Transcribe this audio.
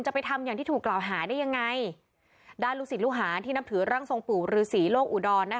ไปทำอย่างที่ถูกกล่าวหาได้ยังไงด้านลูกศิษย์ลูกหาที่นับถือร่างทรงปู่ฤษีโลกอุดรนะคะ